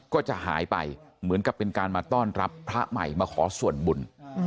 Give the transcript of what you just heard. ก็จะหายไปเหมือนกับเป็นการมาต้อนรับพระใหม่มาขอส่วนบุญ